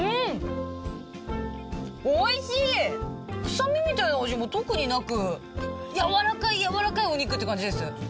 臭みみたいな味も特になくやわらかいやわらかいお肉って感じです。